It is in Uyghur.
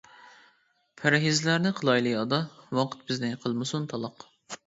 پەرھىزلەرنى قىلايلى ئادا، ۋاقىت بىزنى قىلمىسۇن تالاق.